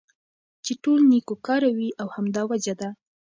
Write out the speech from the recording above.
چې ټول نيكو كاره وي او همدا وجه ده